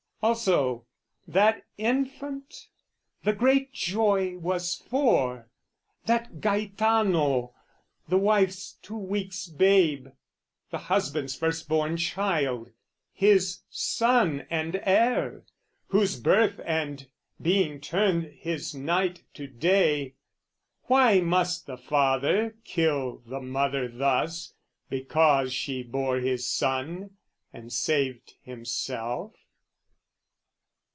Also that infant the great joy was for, That Gaetano, the wife's two weeks' babe, The husband's first born child, his son and heir, Whose birth and being turned his night to day Why must the father kill the mother thus Because she bore his son and saved himself?